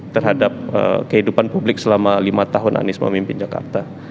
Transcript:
terhadap kehidupan publik selama lima tahun anies memimpin jakarta